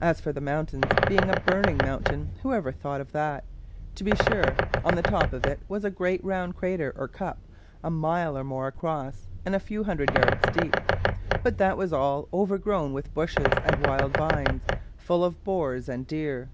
As for the mountain's being a burning mountain, who ever thought of that? To be sure, on the top of it was a great round crater, or cup, a mile or more across, and a few hundred yards deep. But that was all overgrown with bushes and wild vines, full of boars and deer.